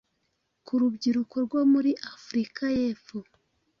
ku rubyiruko rwo muri Africa y’epfo